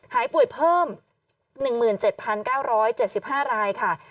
หายป่วยเพิ่ม๑๗๙๗๕รายค่ะ